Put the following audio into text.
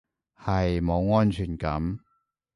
係，冇安全感